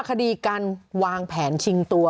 คดีการวางแผนชิงตัว